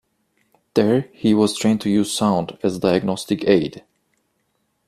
There he was trained to use sound as a diagnostic aid.